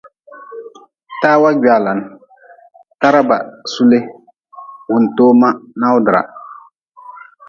Tawa gwalan, taraba suli, wuntoma nawdra.